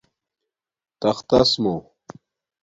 تختس مُو